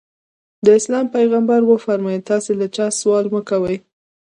د اسلام پیغمبر وفرمایل تاسې له چا سوال مه کوئ.